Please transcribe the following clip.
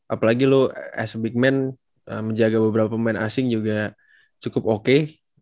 apalagi lo as a big man menjaga beberapa pemain asing juga cukup oke